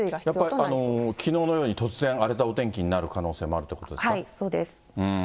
やっぱりきのうのように突然荒れたお天気になる可能性もあるはい、そうです。